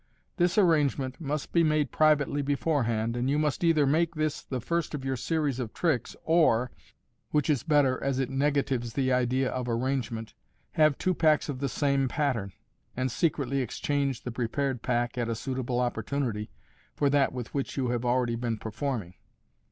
This arrangement must be made privately beforehand, and you must either make this the first of your series of tricks, or (which is better, as it negatives the idea of arrangement) have two packs of the same pav trn, and secretly exchange the pre pared pack, at a suitable opportunity, for that with which you have already been performing.